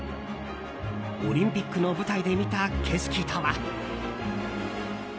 オリンピックの舞台で見た景色とは。